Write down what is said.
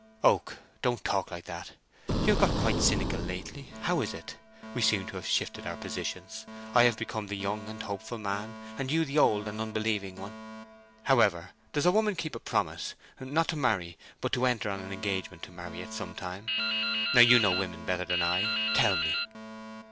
"Oak, don't talk like that. You have got quite cynical lately—how is it? We seem to have shifted our positions: I have become the young and hopeful man, and you the old and unbelieving one. However, does a woman keep a promise, not to marry, but to enter on an engagement to marry at some time? Now you know women better than I—tell me."